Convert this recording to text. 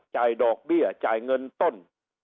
ดอกเบี้ยจ่ายเงินต้น